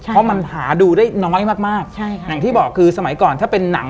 เพราะมันหาดูได้น้อยมากมากใช่ค่ะอย่างที่บอกคือสมัยก่อนถ้าเป็นหนัง